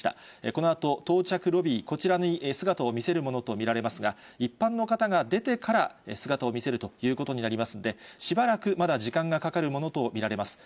このあと到着ロビー、こちらに姿を見せるものと見られますが、一般の方が出てから姿を見せるということになりますんで、しばらくまだ時間がかかるものと見られます。